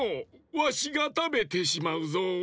わしがたべてしまうぞ。